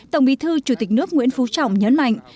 tổng bí thư chủ tịch nước nguyễn phú trọng nhấn mạnh